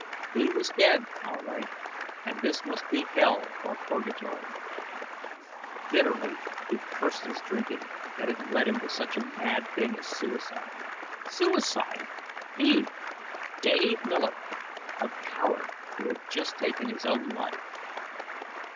He was dead, all right; and this must be hell or purgatory. Bitterly he cursed his drinking, that had led him to such a mad thing as suicide. Suicide! He Dave Miller a coward who had taken his own life!